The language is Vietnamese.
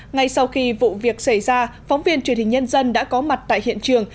ngay sau khi vụ việc xảy ra phóng viên truyền hình nhân dân đã có mặt tại hiện trường